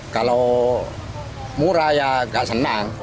kalau murah ya nggak senang